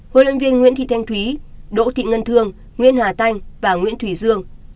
huấn luyện viên nguyễn thị thanh thúy đỗ thị ngân thương nguyễn hà thanh và nguyễn thủy dương